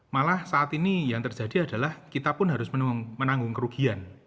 malah saat ini yang terjadi adalah kita pun harus menanggung kerugian